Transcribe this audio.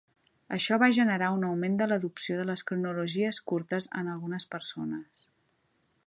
Això va generar un augment de l"adopció de les cronologies curtes en algunes persones.